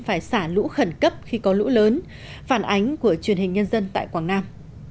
phải xả lũ khẩn cấp khi có lũ lớn phản ánh của truyền hình nhân dân tại quảng nam